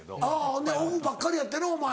ほんでオフばっかりやったやろお前。